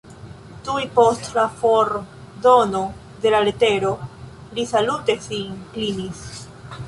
Tuj post la fordono de la letero li salute sin klinis.